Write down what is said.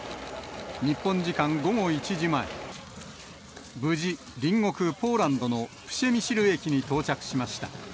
日本時間午後１時前、無事、隣国ポーランドのプシェミシル駅に到着しました。